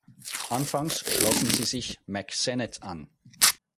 Anfangs schlossen sie sich Mack Sennett an.